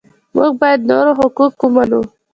موږ باید د نورو حقوق ومنو.